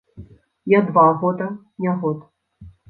Не два года, не год.